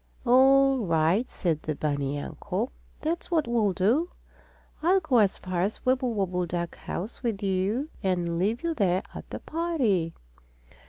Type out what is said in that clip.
"All right," said the bunny uncle. "That's what we'll do. I'll go as far as the Wibblewobble duck house with you and leave you there at the party."